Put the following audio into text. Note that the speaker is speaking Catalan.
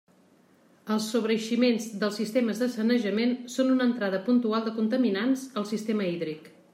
Els sobreeiximents dels sistemes de sanejament són una entrada puntual de contaminants al sistema hídric.